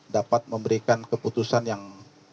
dapat memberikan keputusan yang